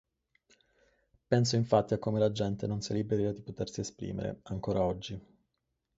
Penso infatti a come la gente non sia libera di potersi esprimere, ancora oggi.